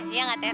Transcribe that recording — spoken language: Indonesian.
iya gak ter